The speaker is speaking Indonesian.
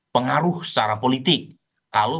pengaruh secara politik kalau